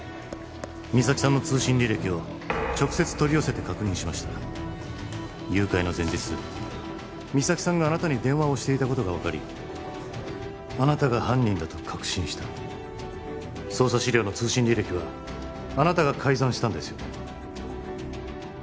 実咲さんの通信履歴を直接取り寄せて確認しました誘拐の前日実咲さんがあなたに電話をしていたことが分かりあなたが犯人だと確信した捜査資料の通信履歴はあなたが改ざんしたんですよね？